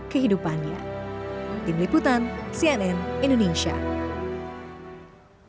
berikut adalah sang verderan berita kuliah orang indonesia di torres farge